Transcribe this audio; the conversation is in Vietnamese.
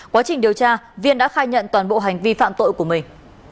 quá trình điều tra viên đã khai nhận toàn bộ hành vi phạm tội của mình